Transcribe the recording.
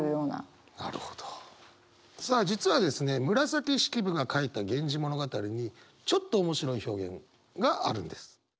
紫式部が書いた「源氏物語」にちょっと面白い表現があるんです。